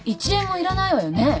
１円もいらないわよね